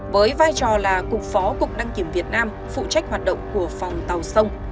với vai trò là cục phó cục đăng kiểm việt nam phụ trách hoạt động của phòng tàu sông